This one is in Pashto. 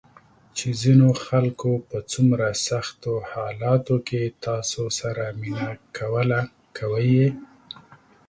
چې ځینو خلکو په څومره سختو حالاتو کې تاسو سره مینه کوله، کوي یې ~